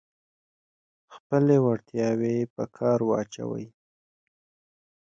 خپلې وړتیاوې په کار واچوئ.